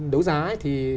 đấu giá ấy